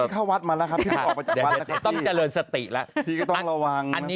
เข้าวัดมาแล้วครับ